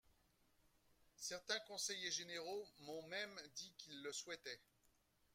Certains conseillers généraux m’ont même dit qu’ils le souhaitaient.